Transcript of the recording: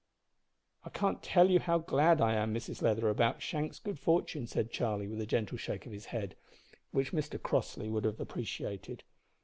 "I can't tell you how glad I am, Mrs Leather, about Shank's good fortune," said Charlie, with a gentle shake of the hand, which Mr Crossley would have appreciated.